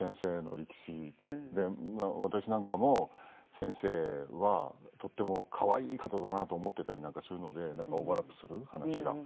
私なんかも先生はとっても可愛い方だなと思ってたりなんかするのでなんかオーバーラップする話が。